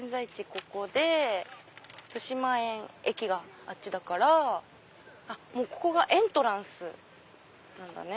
ここで豊島園駅があっちだからもうここがエントランスなんだね。